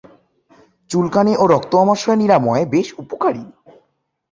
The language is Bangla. চুলকানি ও রক্ত আমাশয় নিরাময়ে বেশ উপকারী।